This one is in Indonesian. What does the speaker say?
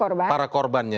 kenal dengan para korbannya